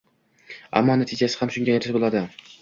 ammo natijasi ham shunga yarasha bo‘ladi».